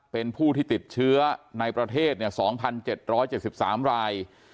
เป็นผู้ที่ติดเชื้อในประเทศ๒๗๗๓ราย